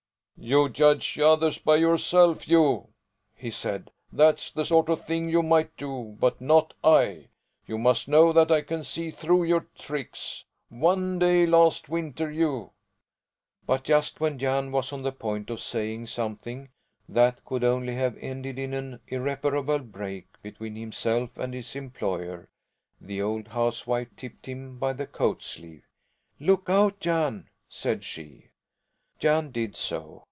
"You judge others by yourself, you!" he said, "That's the sort of thing you might do, but not I. You must know that I can see through your tricks. One day last winter you " But just when Jan was on the point of saying something that could only have ended in an irreparable break between himself and his employer, the old housewife tipped him by the coat sleeve. "Look out, Jan!" said she. Jan did so.